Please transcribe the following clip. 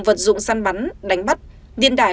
vật dụng săn bắn đánh bắt điên đại